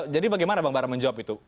jadi bagaimana bang barat menjawab itu